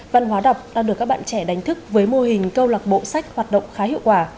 văn hóa đọc đang được các bạn trẻ đánh thức với mô hình câu lạc bộ sách hoạt động khá hiệu quả